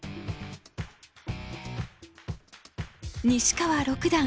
西川六段